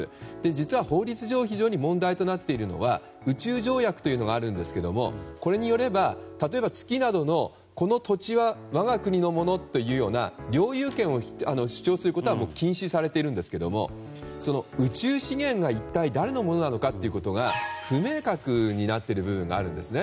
実は法律上非常に問題となっているのが宇宙条約というのがあるんですがこれによれば例えば、月などのこの土地は我が国のものというような領有権を主張することは禁止されているんですが宇宙資源が一体誰のものなのかが不明確なんですね。